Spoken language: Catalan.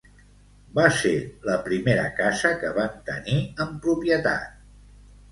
Va ser la primera casa que van tenir en propietat.